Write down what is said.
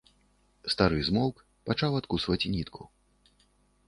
Стары змоўк, пачаў адкусваць нітку.